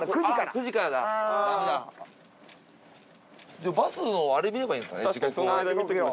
じゃあバスのあれ見ればいいんですかね時刻を。